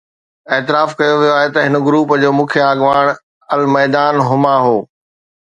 اعتراف ڪيو ويو آهي ته هن گروپ جو مکيه اڳواڻ الميدان حما هو